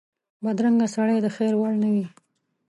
بدرنګه سړی د خیر وړ نه وي